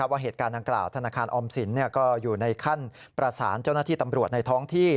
ว่าเหตุการณ์ดังกล่าวธนาคารออมสินก็อยู่ในขั้นประสานเจ้าหน้าที่ตำรวจในท้องที่